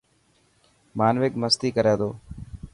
مانوڪ مستي ڪر تو.